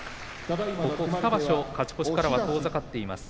２場所、勝ち越しから遠ざかっています。